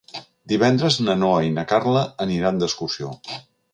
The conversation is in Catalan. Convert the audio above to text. Divendres na Noa i na Carla aniran d'excursió.